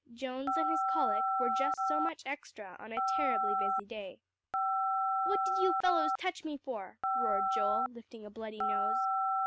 Jones and his colic were just so much extra on a terribly busy day. "What did you fellows touch me for?" roared Joel, lifting a bloody nose.